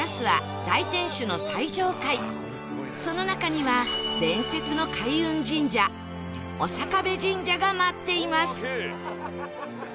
その中には伝説の開運神社長壁神社が待っています